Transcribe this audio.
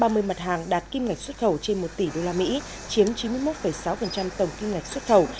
ba mươi mặt hàng đạt kim ngạch xuất khẩu trên một tỷ usd chiếm chín mươi một sáu tổng kim ngạch xuất khẩu